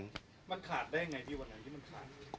มันขาดได้ยังไงที่วันนี้มันขาดได้ยังไง